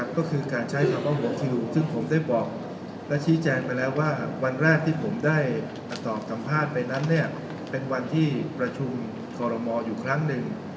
ก็คือการใช้เฉพาะหัวคิวซึ่งผมได้บอกและชี้แจงไปแล้วว่าวันแรกที่ผมได้ตอบสัมภาษณ์ไปนั้นเป็นวันที่ประชุมคอรมออยู่ครั้งหนึ่ง